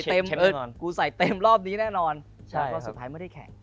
เอ้อใส่เต็มรอบนี้แน่นอนแล้วก็สุดท้ายไม่ได้แข่ง